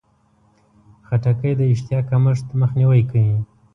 خټکی د اشتها کمښت مخنیوی کوي.